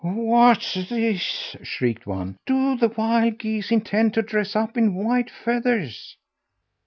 "What's this?" shrieked one. "Do the wild geese intend to dress up in white feathers?"